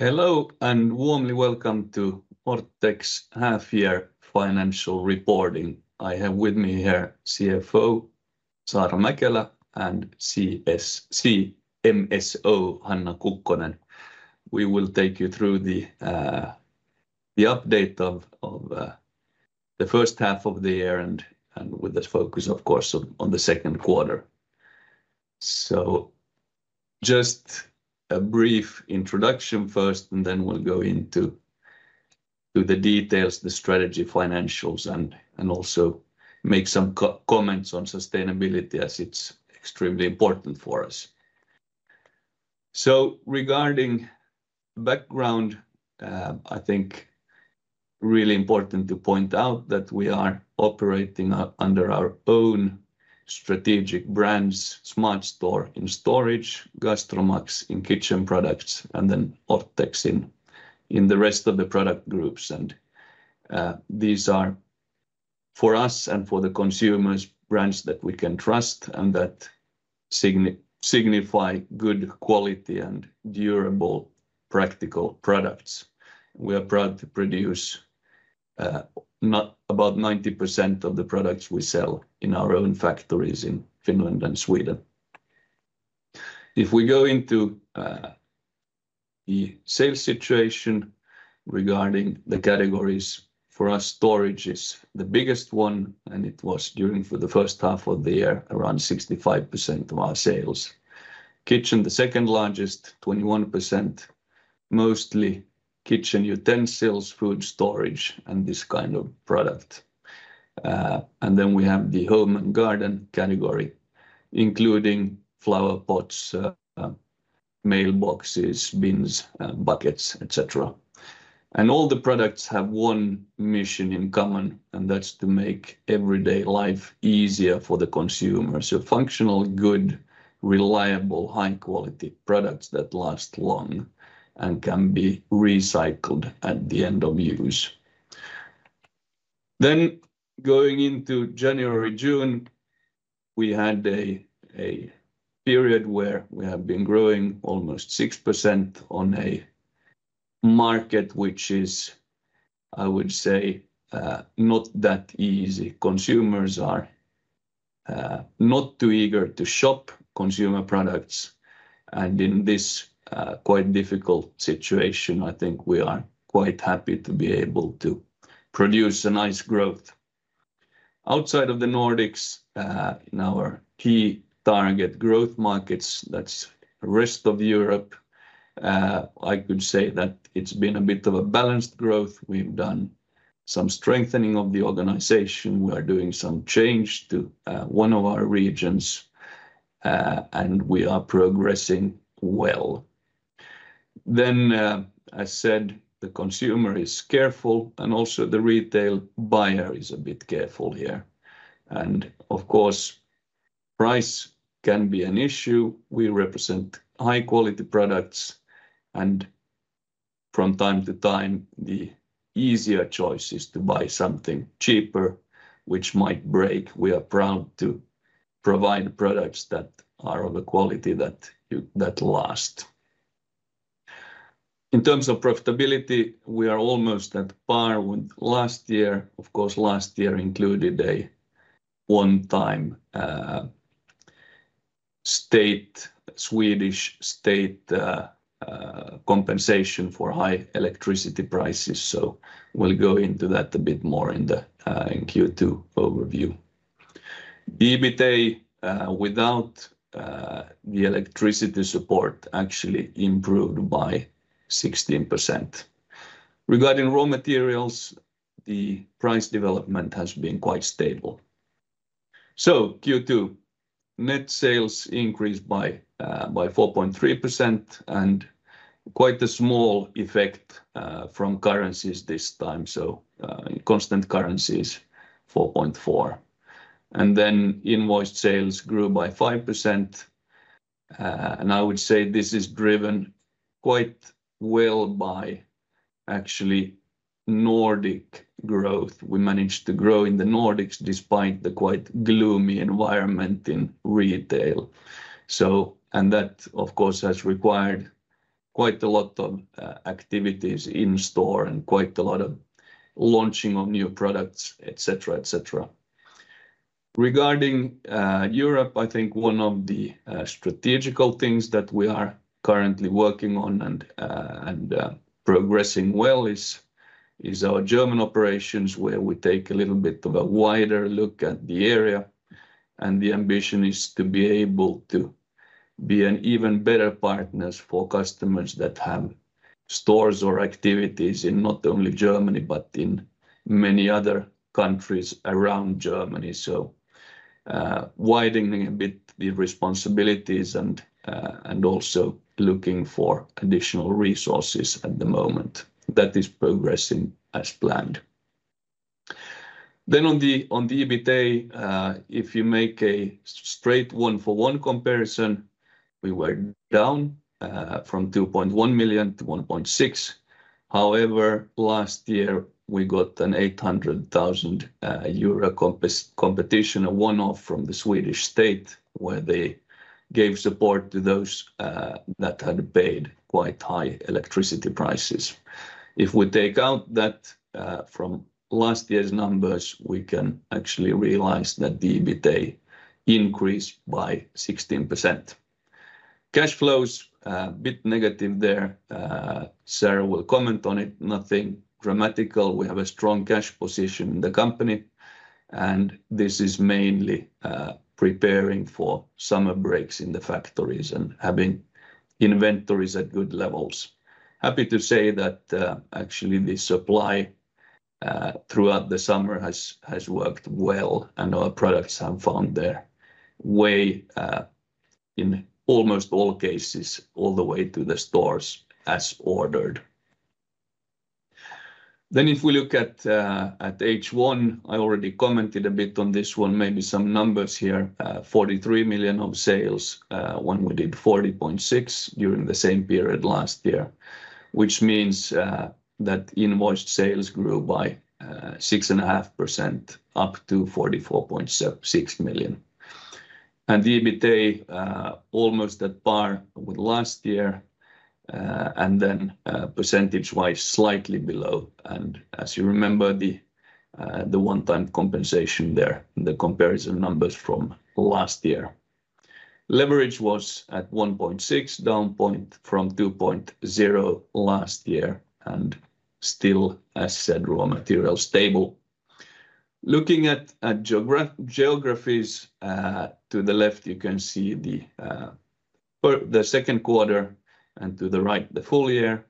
Hello, and warmly welcome to Orthex Half-year Financial Reporting. I have with me here CFO Saara Mäkelä and CMSO Hanna Kukkonen. We will take you through the update of the H1 of the year and with the focus, of course, on the Q2. Just a brief introduction first, and then we'll go into the details, the strategy, financials, and also make some comments on sustainability as it's extremely important for us. Regarding background, I think really important to point out that we are operating under our own strategic brands, SmartStore in storage, GastroMax in kitchen products, and then Orthex in the rest of the product groups. These are for us and for the consumers, brands that we can trust and that signify good quality and durable, practical products. We are proud to produce about 90% of the products we sell in our own factories in Finland and Sweden. If we go into the sales situation regarding the categories, for us, storage is the biggest one, and it was during for the H1 of the year, around 65% of our sales. Kitchen, the second largest, 21%, mostly kitchen utensils, food storage, and this kind of product. And then we have the home and garden category, including flower pots, mailboxes, bins, buckets, et cetera. And all the products have one mission in common, and that's to make everyday life easier for the consumer. So functional, good, reliable, high-quality products that last long and can be recycled at the end of use. Then going into January, June, we had a period where we have been growing almost 6% on a market which is, I would say, not that easy. Consumers are not too eager to shop consumer products, and in this quite difficult situation, I think we are quite happy to be able to produce a nice growth. Outside of the Nordics, in our key target growth markets, that's the rest of Europe, I could say that it's been a bit of a balanced growth. We've done some strengthening of the organization. We are doing some change to one of our regions, and we are progressing well. Then, I said the consumer is careful and also the retail buyer is a bit careful here. And of course, price can be an issue. We represent high-quality products, and from time to time, the easier choice is to buy something cheaper, which might break. We are proud to provide products that are of a quality that you last. In terms of profitability, we are almost at par with last year. Of course, last year included a one-time, state, Swedish state, compensation for high electricity prices, so we'll go into that a bit more in the, in Q2 overview. EBITA, without, the electricity support actually improved by 16%. Regarding raw materials, the price development has been quite stable. Q2, net sales increased by, by 4.3% and quite a small effect, from currencies this time, so, constant currencies, 4.4. And then invoiced sales grew by 5%. And I would say this is driven quite well by actually Nordic growth. We managed to grow in the Nordics despite the quite gloomy environment in retail. And that, of course, has required quite a lot of activities in store and quite a lot of launching of new products, et cetera, et cetera. Regarding Europe, I think one of the strategic things that we are currently working on and progressing well is our German operations, where we take a little bit of a wider look at the area. And the ambition is to be able to be an even better partners for customers that have stores or activities in not only Germany, but in many other countries around Germany. Widening a bit the responsibilities and also looking for additional resources at the moment. That is progressing as planned. Then on the EBITA, if you make a straight one-for-one comparison, we were down from 2.1 million EUR to 1.6 million EUR. However, last year, we got an 800,000 euro compensation, a one-off from the Swedish state, where they gave support to those that had paid quite high electricity prices. If we take out that from last year's numbers, we can actually realize that the EBITA increased by 16%. Cash flows, bit negative there. Saara will comment on it. Nothing dramatic. We have a strong cash position in the company, and this is mainly preparing for summer breaks in the factories and having inventories at good levels. Happy to say that, actually, the supply throughout the summer has worked well, and our products have found their way, in almost all cases, all the way to the stores as ordered. Then if we look at H1, I already commented a bit on this one. Maybe some numbers here. 43 million of sales, when we did 40.6 million during the same period last year, which means that invoiced sales grew by 6.5%, up to 44.6 million. And the EBITA almost at par with last year, and then percentage-wise, slightly below. And as you remember, the one-time compensation there, the comparison numbers from last year. Leverage was at 1.6, down from 2.0 last year, and still, as said, raw material stable. Looking at geographies, to the left, you can see the Q2, and to the right, the full year.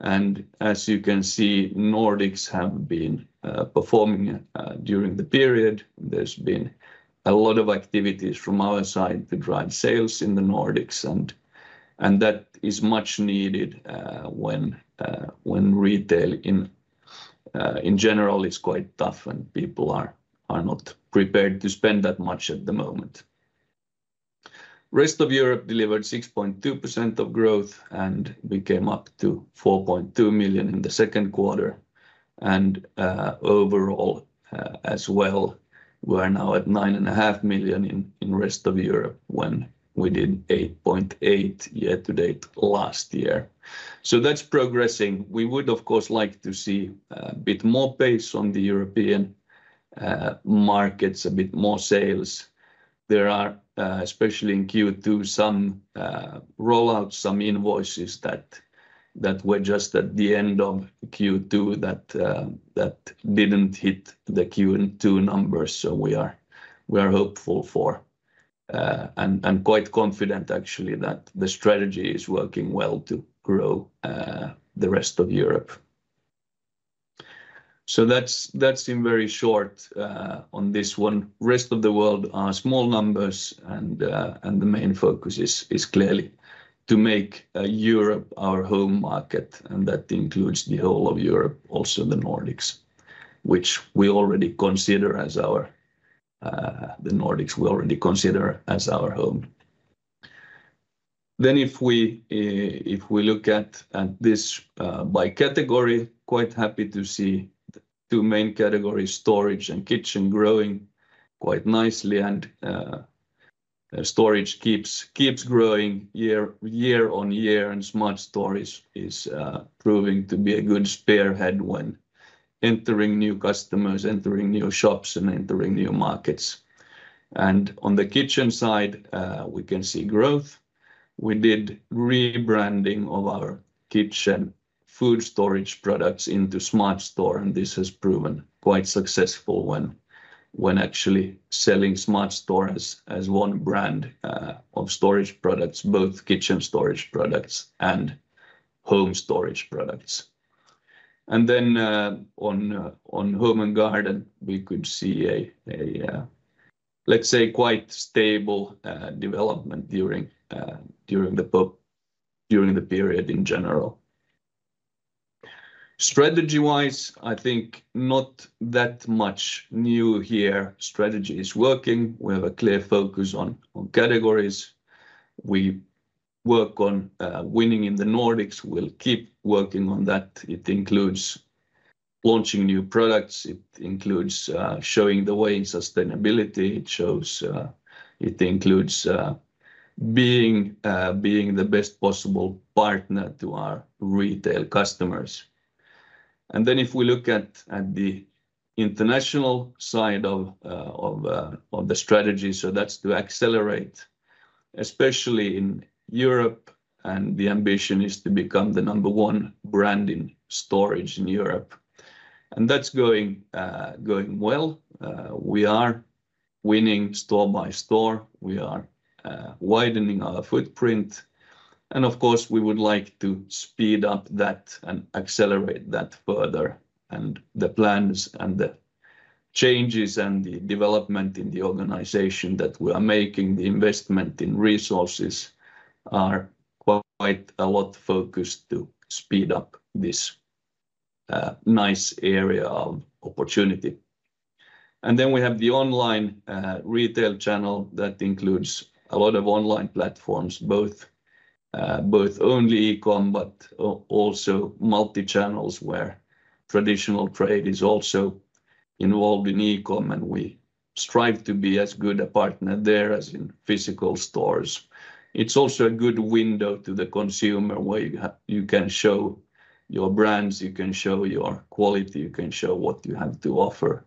And as you can see, Nordics have been performing during the period. There's been a lot of activities from our side to drive sales in the Nordics, and that is much needed when retail in general is quite tough and people are not prepared to spend that much at the moment. Rest of Europe delivered 6.2% of growth, and we came up to 4.2 million EUR in the Q2. And overall, as well, we're now at 9.5 million EUR in rest of Europe when we did 8.8 million EUR year to date last year. So that's progressing. We would, of course, like to see a bit more pace on the European markets, a bit more sales. There are, especially in Q2, some roll out some invoices that were just at the end of Q2 that didn't hit the Q2 numbers. So we are hopeful for, and quite confident actually, that the strategy is working well to grow the rest of Europe. So that's in very short on this one. Rest of the world are small numbers, and the main focus is clearly to make Europe our home market, and that includes the whole of Europe, also the Nordics, which we already consider as our home. The Nordics we already consider as our home. Then if we look at this by category, quite happy to see the two main categories, storage and kitchen, growing quite nicely. Storage keeps growing year on year, and SmartStore is proving to be a good spearhead when entering new customers, entering new shops, and entering new markets. On the kitchen side, we can see growth. We did rebranding of our kitchen food storage products into SmartStore, and this has proven quite successful when actually selling SmartStore as one brand of storage products, both kitchen storage products and home storage products. On home and garden, we could see a let's say quite stable development during the period in general. Strategy-wise, I think not that much new here. Strategy is working. We have a clear focus on categories. We work on winning in the Nordics. We'll keep working on that. It includes launching new products. It includes showing the way in sustainability. It includes being the best possible partner to our retail customers, and then if we look at the international side of the strategy, so that's to accelerate, especially in Europe, and the ambition is to become the number one brand in storage in Europe, and that's going well. We are winning store by store. We are widening our footprint, and of course, we would like to speed up that and accelerate that further. And the plans and the changes and the development in the organization that we are making, the investment in resources, are quite a lot focused to speed up this, a nice area of opportunity. And then we have the online retail channel that includes a lot of online platforms, both only e-com, but also multi-channels, where traditional trade is also involved in e-com, and we strive to be as good a partner there as in physical stores. It's also a good window to the consumer, where you can show your brands, you can show your quality, you can show what you have to offer,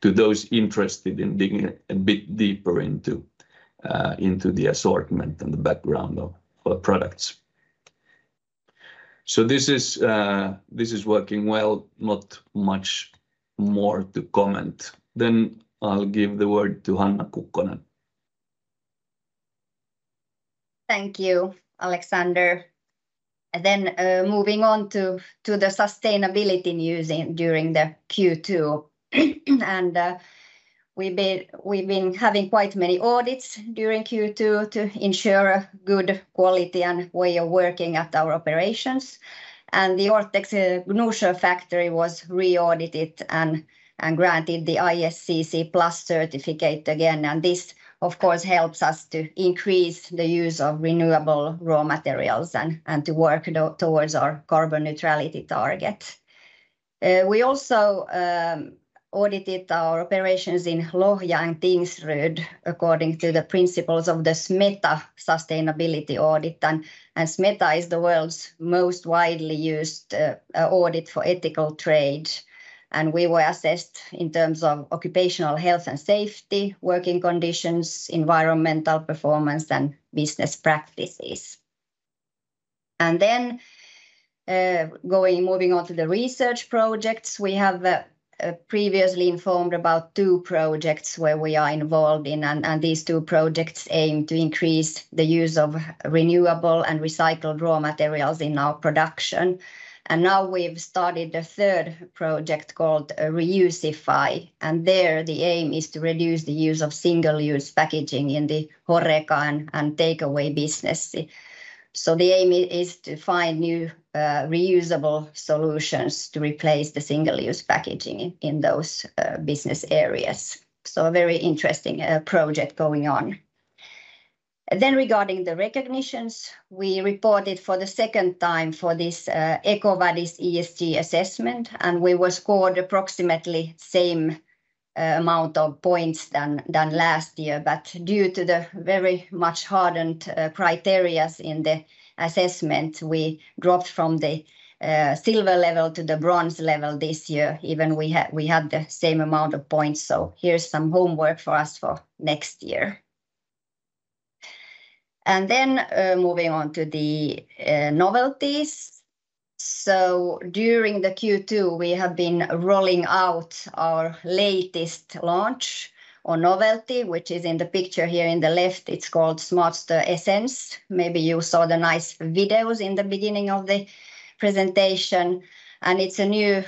to those interested in digging a bit deeper into the assortment and the background of our products. So this is working well. Not much more to comment. Then I'll give the word to Hanna Kukkonen. Thank you, Alexander. And then, moving on to the sustainability news during the Q2. And, we've been having quite many audits during Q2 to ensure good quality and way of working at our operations. And the Orthex Gnosjö factory was re-audited and granted the ISCC PLUS certificate again, and this, of course, helps us to increase the use of renewable raw materials and to work towards our carbon neutrality target. We also audited our operations in Lohja and Tingsryd according to the principles of the SMETA sustainability audit. SMETA is the world's most widely used audit for ethical trade, and we were assessed in terms of occupational health and safety, working conditions, environmental performance, and business practices. And then moving on to the research projects, we have previously informed about two projects where we are involved in, and these two projects aim to increase the use of renewable and recycled raw materials in our production, and now we've started a third project called Reusify, and there, the aim is to reduce the use of single-use packaging in the HoReCa and takeaway business, so the aim is to find new reusable solutions to replace the single-use packaging in those business areas, so a very interesting project going on, then regarding the recognitions, we reported for the second time for this EcoVadis ESG assessment, and we were scored approximately same amount of points than last year. But due to the very much hardened criteria in the assessment, we dropped from the silver level to the bronze level this year, even we had the same amount of points, so here's some homework for us for next year. And then moving on to the novelties. So during the Q2, we have been rolling out our latest launch or novelty, which is in the picture here in the left. It's called SmartStore Essence. Maybe you saw the nice videos in the beginning of the presentation, and it's a new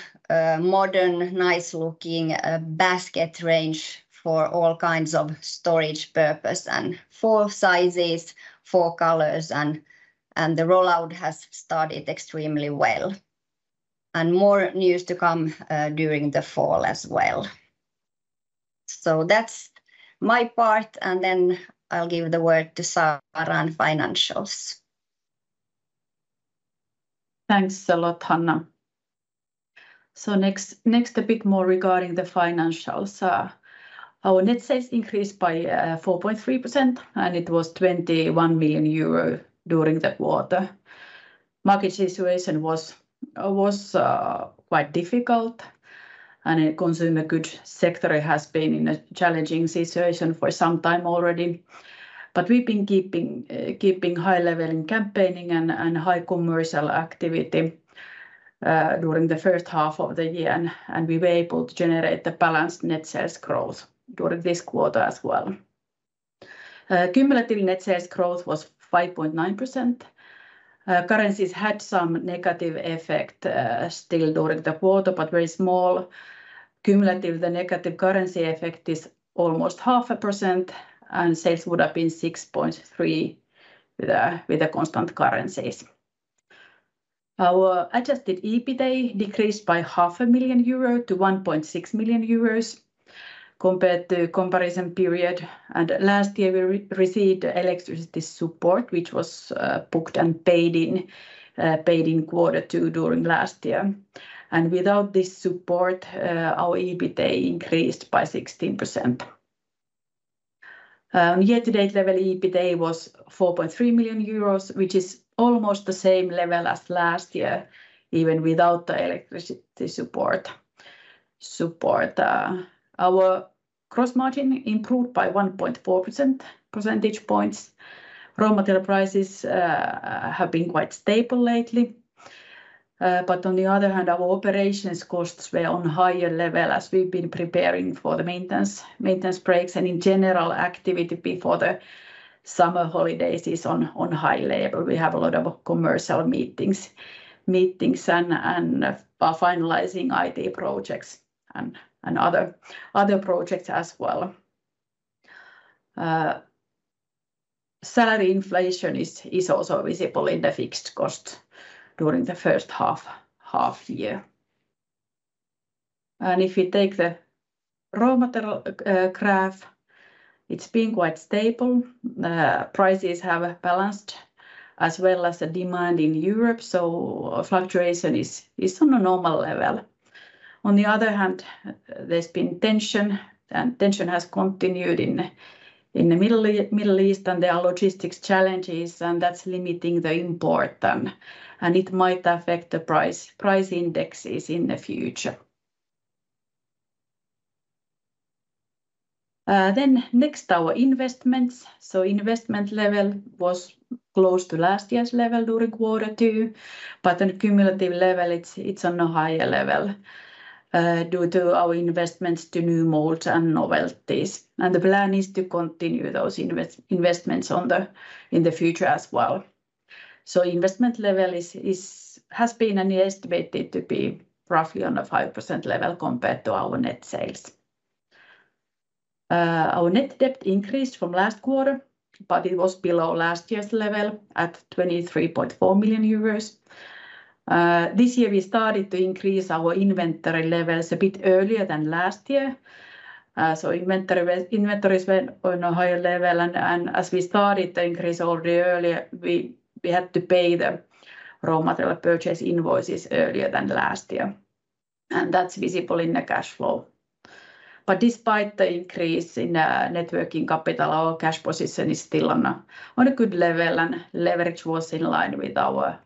modern, nice-looking basket range for all kinds of storage purpose, and four sizes, four colors, and the rollout has started extremely well. And more news to come during the fall as well. So that's my part, and then I'll give the word to Saara on financials. Thanks a lot, Hanna. So next, a bit more regarding the financials. Our net sales increased by 4.3%, and it was 21 million euro during that quarter. Market situation was quite difficult, and the consumer goods sector has been in a challenging situation for some time already. But we've been keeping high level in campaigning and high commercial activity during the H1 of the year, and we were able to generate the balanced net sales growth during this quarter as well. Cumulative net sales growth was 5.9%. Currencies had some negative effect still during the quarter, but very small. Cumulative, the negative currency effect is almost 0.5%, and sales would have been 6.3% with the constant currencies. Our adjusted EBITA decreased by 0.5 million euro to 1.6 million euros compared to comparison period, and last year, we received electricity support, which was booked and paid in quarter two during last year. Without this support, our EBITA increased by 16%. Year-to-date level, EBITA was 4.3 million euros, which is almost the same level as last year, even without the electricity support. Our gross margin improved by 1.4 percentage points. Raw material prices have been quite stable lately, but on the other hand, our operations costs were on higher level as we've been preparing for the maintenance breaks, and in general, activity before the summer holidays is on high level. We have a lot of commercial meetings and finalizing IT projects and other projects as well. Salary inflation is also visible in the fixed cost during the H1 year, and if we take the raw material graph, it's been quite stable. Prices have balanced as well as the demand in Europe, so fluctuation is on a normal level. On the other hand, there's been tension, and tension has continued in the Middle East, and there are logistics challenges, and that's limiting the import then, and it might affect the price indexes in the future. Then next, our investments. So investment level was close to last year's level during quarter two, but on a cumulative level, it's on a higher level due to our investments to new molds and novelties. And the plan is to continue those investments in the future as well. So investment level has been and is estimated to be roughly on a 5% level compared to our net sales. Our net debt increased from last quarter, but it was below last year's level at 23.4 million euros. This year we started to increase our inventory levels a bit earlier than last year. So inventories went on a higher level, and as we started to increase already earlier, we had to pay the raw material purchase invoices earlier than last year, and that's visible in the cash flow. But despite the increase in net working capital, our cash position is still on a good level, and leverage was in line with our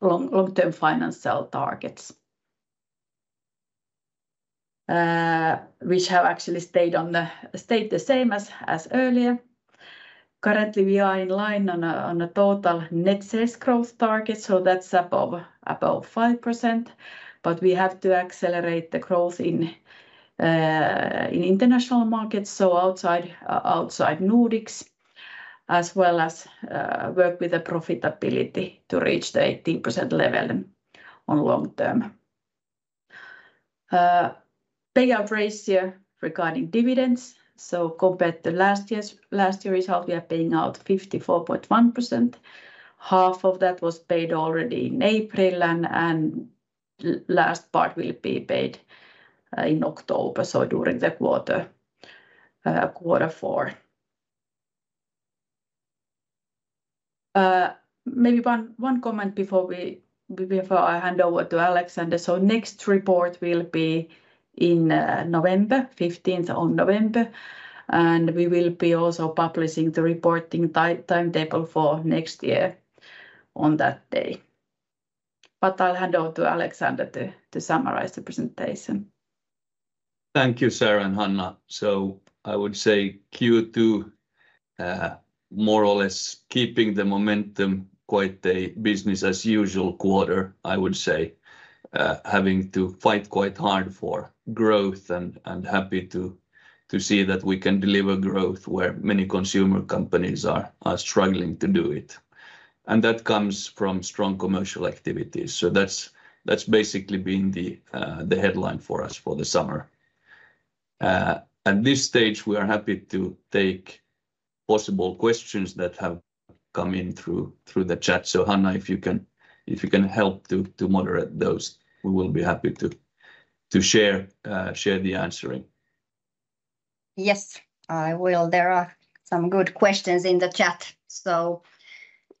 long-term financial targets. which have actually stayed the same as earlier. Currently, we are in line on a total net sales growth target, so that's above 5%, but we have to accelerate the growth in international markets, so outside Nordics, as well as work with the profitability to reach the 18% level on long term. Payout ratio regarding dividends, so compared to last year's result, we are paying out 54.1%. Half of that was paid already in April, and last part will be paid in October, so during quarter four. Maybe one comment before I hand over to Alexander. So next report will be in November, fifteenth of November, and we will be also publishing the reporting timetable for next year on that day. But I'll hand over to Alexander to summarize the presentation. Thank you, Saara and Hanna. So I would say Q2, more or less keeping the momentum, quite a business-as-usual quarter, I would say. Having to fight quite hard for growth and happy to see that we can deliver growth where many consumer companies are struggling to do it. And that comes from strong commercial activities. So that's basically been the headline for us for the summer. At this stage, we are happy to take possible questions that have come in through the chat. So Hanna, if you can help to moderate those, we will be happy to share the answering. Yes, I will. There are some good questions in the chat. So,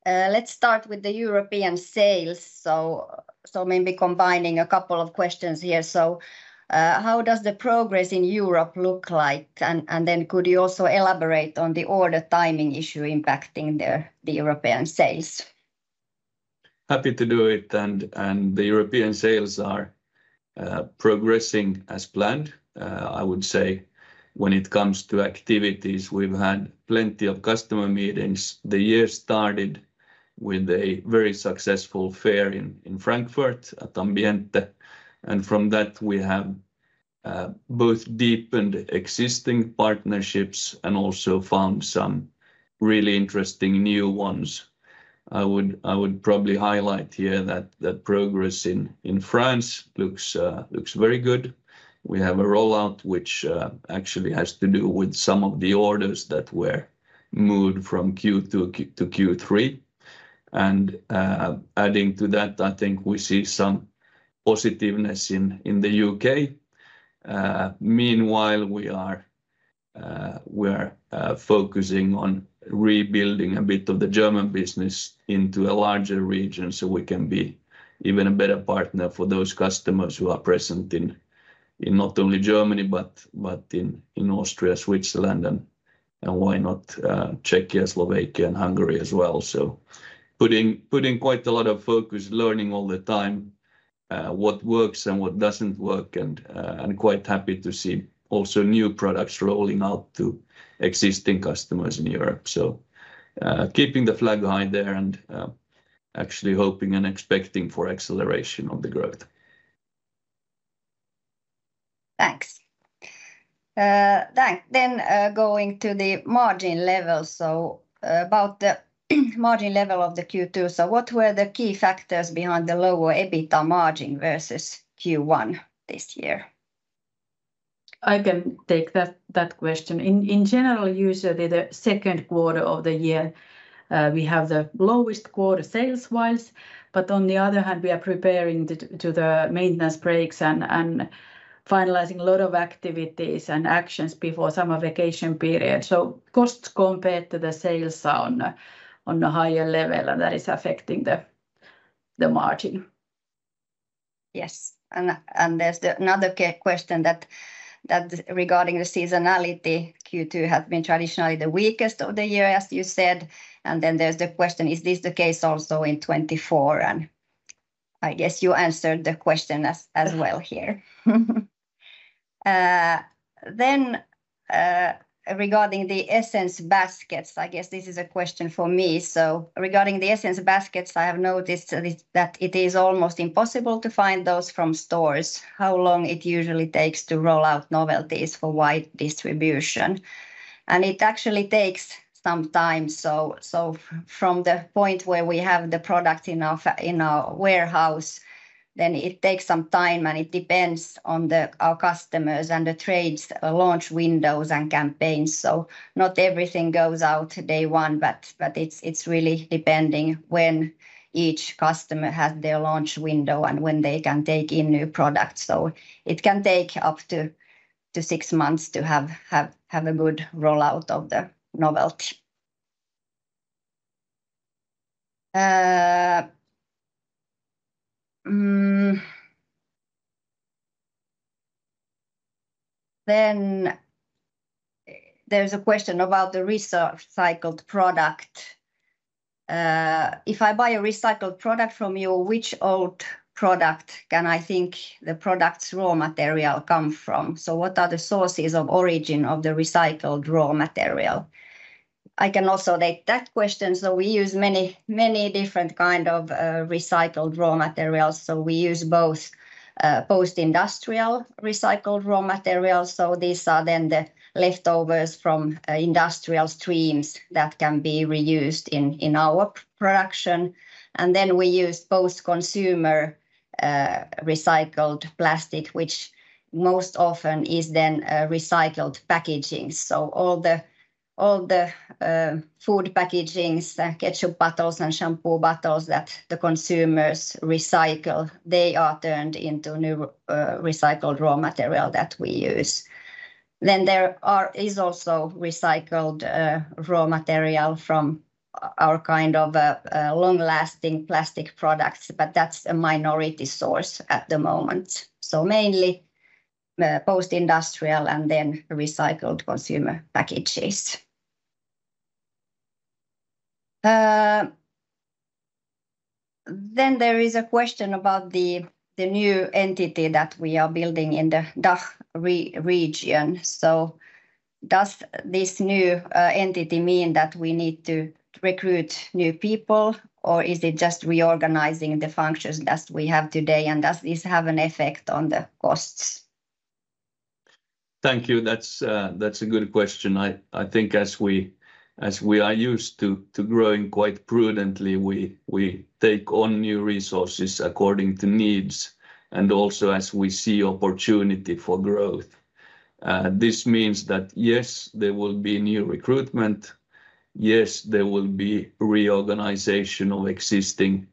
let's start with the European sales. So, maybe combining a couple of questions here. So, how does the progress in Europe look like? And, then could you also elaborate on the order timing issue impacting the European sales? Happy to do it, and the European sales are progressing as planned. I would say when it comes to activities, we've had plenty of customer meetings. The year started with a very successful fair in Frankfurt at Ambiente, and from that, we have both deepened existing partnerships and also found some really interesting new ones. I would probably highlight here that the progress in France looks very good. We have a rollout, which actually has to do with some of the orders that were moved from Q2 to Q3. And adding to that, I think we see some positiveness in the U.K. Meanwhile, we are focusing on rebuilding a bit of the German business into a larger region, so we can be even a better partner for those customers who are present in not only Germany but in Austria, Switzerland, and why not Czechia, Slovakia, and Hungary as well? So putting quite a lot of focus, learning all the time what works and what doesn't work, and quite happy to see also new products rolling out to existing customers in Europe. So keeping the flag high there and actually hoping and expecting for acceleration of the growth. Thanks. Then, going to the margin level, so, about the margin level of the Q2, so what were the key factors behind the lower EBITA margin versus Q1 this year? I can take that question. In general, usually the Q2 of the year, we have the lowest quarter sales-wise, but on the other hand, we are preparing to the maintenance breaks and finalizing a lot of activities and actions before summer vacation period. So costs compared to the sales are on a higher level, and that is affecting the margin. Yes. And there's another question that regarding the seasonality, Q2 has been traditionally the weakest of the year, as you said. And then there's the question: Is this the case also in 2024? And I guess you answered the question as well here. Then, regarding the Essence baskets, I guess this is a question for me. So regarding the Essence baskets, I have noticed that it is almost impossible to find those from stores. How long it usually takes to roll out novelties for wide distribution? And it actually takes some time. So from the point where we have the product in our warehouse, then it takes some time, and it depends on our customers and the trades, launch windows, and campaigns. So not everything goes out day one, but it's really depending when each customer has their launch window and when they can take in new products. So it can take up to six months to have a good rollout of the novelty. Then there's a question about the recycled product. If I buy a recycled product from you, which old product can I think the product's raw material come from? So what are the sources of origin of the recycled raw material? I can also take that question. So we use many, many different kind of recycled raw materials. So we use both post-industrial recycled raw materials, so these are then the leftovers from industrial streams that can be reused in our production. And then we use post-consumer recycled plastic, which most often is then recycled packaging. So all the food packagings, the ketchup bottles and shampoo bottles that the consumers recycle, they are turned into new recycled raw material that we use. Then there is also recycled raw material from our kind of long-lasting plastic products, but that is a minority source at the moment. So mainly post-industrial and then recycled consumer packages. Then there is a question about the new entity that we are building in the DACH region. So does this new entity mean that we need to recruit new people, or is it just reorganizing the functions that we have today, and does this have an effect on the costs? Thank you. That's a good question. I think as we are used to growing quite prudently, we take on new resources according to needs and also as we see opportunity for growth. This means that, yes, there will be new recruitment, yes, there will be reorganizational existing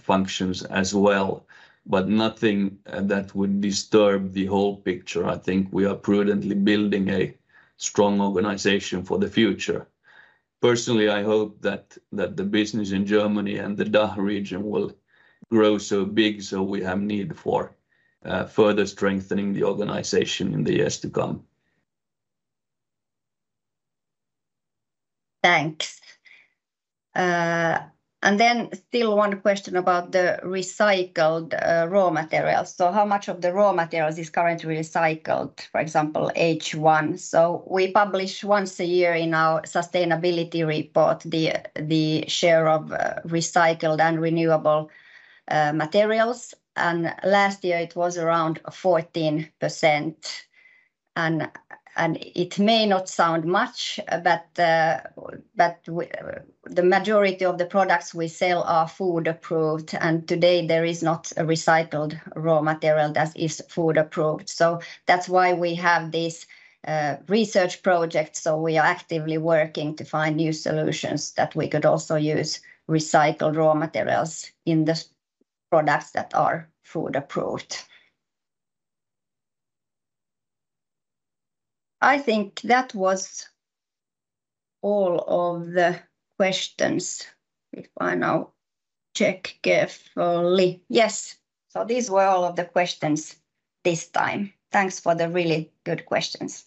functions as well, but nothing that would disturb the whole picture. I think we are prudently building a strong organization for the future. Personally, I hope that the business in Germany and the DACH region will grow so big so we have need for further strengthening the organization in the years to come. Thanks. And then still one question about the recycled raw materials. So how much of the raw materials is currently recycled, for example, H1? So we publish once a year in our sustainability report, the share of recycled and renewable materials, and last year it was around 14%. And it may not sound much, but the majority of the products we sell are food-approved, and today there is not a recycled raw material that is food-approved. So that's why we have this research project, so we are actively working to find new solutions that we could also use recycled raw materials in the products that are food-approved. I think that was all of the questions. If I now check carefully. Yes! So these were all of the questions this time. Thanks for the really good questions.